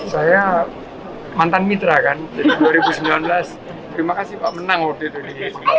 saya mantan mitra kan jadi dua ribu sembilan belas terima kasih pak menang waktu itu di